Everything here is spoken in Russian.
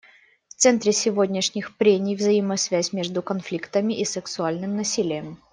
В центре сегодняшних прений — взаимосвязь между конфликтами и сексуальным насилием.